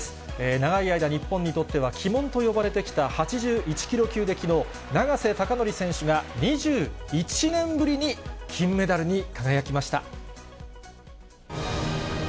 長い間、日本にとっては鬼門と呼ばれてきた８１キロ級できのう、永瀬貴規選手が２１年ぶりに金メダルに輝きました。